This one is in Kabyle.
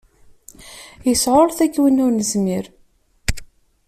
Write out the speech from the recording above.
Yesɛullet-ik win ur nezmir.